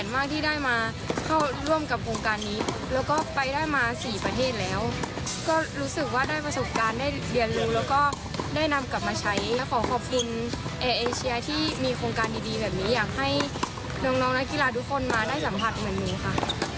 มาได้สัมผัสเหมือนมือค่ะ